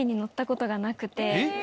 えっ？